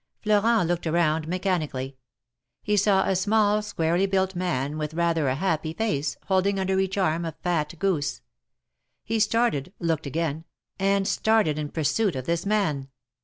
Florent looked around mechanically. He saw a small, squarely built man, with rather a happy face, holding under each arm a fat goose. He started, looked again, and started in pursuit of this man.